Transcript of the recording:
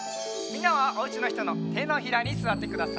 みんなはおうちのひとのてのひらにすわってください。